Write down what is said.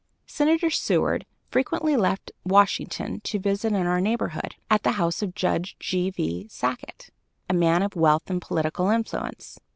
Senator Seward frequently left Washington to visit in our neighborhood, at the house of Judge G.V. Sackett, a man of wealth and political influence.